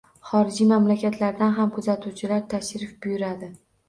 Xorijiy mamlakatlardan ham kuzatuvchilar tashrif buyuradi.